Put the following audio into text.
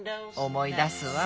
思い出すわ。